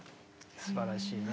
すばらしいね。